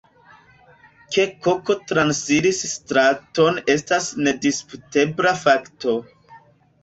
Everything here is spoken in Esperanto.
Ke koko transiris straton estas nedisputebla fakto.